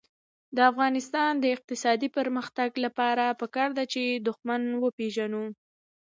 د افغانستان د اقتصادي پرمختګ لپاره پکار ده چې دښمن وپېژنو.